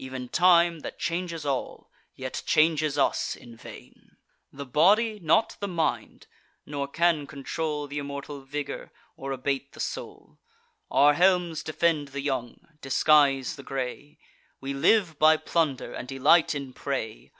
Ev'n time, that changes all, yet changes us in vain: The body, not the mind; nor can control Th' immortal vigour, or abate the soul. Our helms defend the young, disguise the gray: We live by plunder, and delight in prey.